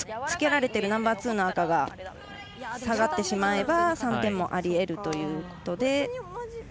つけられてるナンバーツーの赤が下がってしまえば３点もありえるということで。